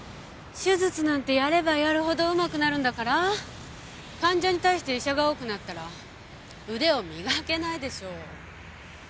手術なんてやればやるほどうまくなるんだから患者に対して医者が多くなったらウデを磨けないでしょ